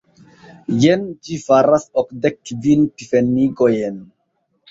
Jen, ĝi faras okdek kvin pfenigojn.